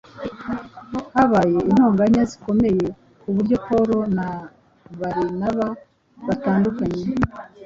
Habaye intonganya zikomeye ku buryo Pawulo na Barinaba batandukanye.